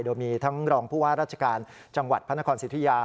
โดยมีทั้งรองผู้ว่าราชการจังหวัดพระนครสิทธิยา